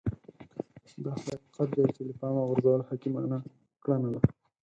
دا حقيقت دی چې له پامه غورځول حکيمانه کړنه ده.